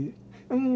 うん。